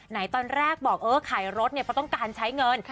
ตอนแรกบอกเออขายรถเนี่ยเพราะต้องการใช้เงิน